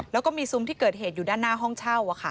แล้วก็มีซุ้มที่เกิดเหตุอยู่ด้านหน้าห้องเช่า